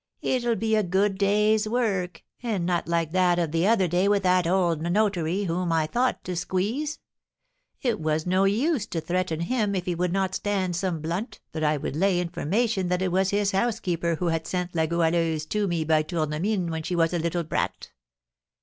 It'll be a good day's work, and not like that of the other day with that old notary whom I thought to squeeze. It was no use to threaten him if he would not 'stand some blunt' that I would lay information that it was his housekeeper who had sent La Goualeuse to me by Tournemine when she was a little brat.